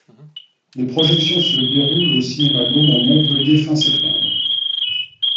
Les projections se déroulent aux Cinémas Gaumont Montpellier fin septembre.